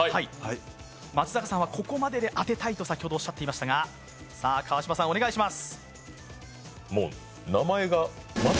松坂さんはここまでで当てたいとおっしゃっていましたがさあ川島さん、お願いします。